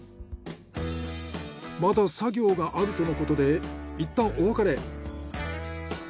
まだ作業があるとのことでいったんお別れ。